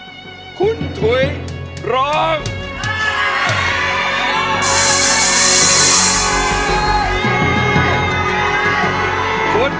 หรือว่าร้องผิดครับ